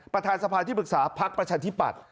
ประธานสภาที่ปรึกษาพักประชาธิปัตย